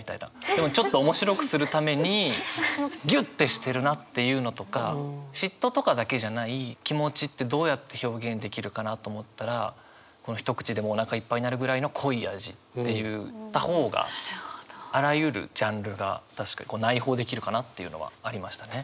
でもちょっと面白くするためにギュッてしてるなっていうのとか嫉妬とかだけじゃない気持ちってどうやって表現できるかなと思ったらこの「一口でもお腹いっぱいになるくらいの濃い味」って言った方があらゆるジャンルが内包できるかなっていうのはありましたね。